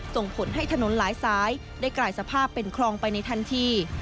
ส่งผลให้ถนนหลายสายได้กลายสภาพเป็นคลองไปในทันที